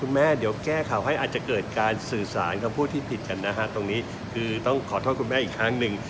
แม่เดี๋ยวแก้ข่าวให้อาจจะเกิดการสื่อสารคำพูดที่ผิดกันนะฮะตรงนี้คือต้องขอโทษคุณแม่อีกครั้งหนึ่ง